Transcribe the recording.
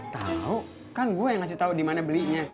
tau kan gue yang ngasih tau dimana belinya